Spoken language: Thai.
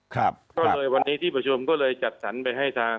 ก็เลยวันนี้ที่ประชุมก็เลยจัดสรรไปให้ทาง